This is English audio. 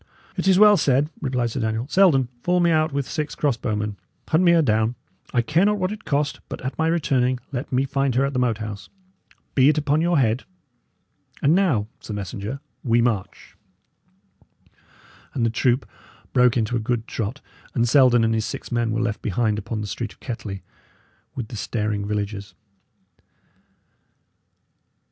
"It is well said," replied Sir Daniel. "Selden, fall me out with six cross bowmen; hunt me her down. I care not what it cost; but, at my returning, let me find her at the Moat House. Be it upon your head. And now, sir messenger, we march." And the troop broke into a good trot, and Selden and his six men were left behind upon the street of Kettley, with the staring villagers.